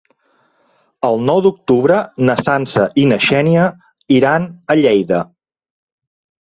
El nou d'octubre na Sança i na Xènia iran a Lleida.